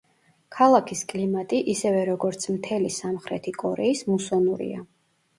ქალაქის კლიმატი ისევე, როგორც მთელი სამხრეთი კორეის, მუსონურია.